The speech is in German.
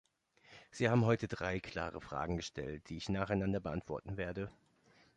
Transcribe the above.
Sie haben heute drei klare Fragen gestellt, die ich nacheinander beantworten werde.